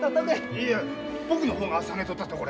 いや僕の方が下げとったところや。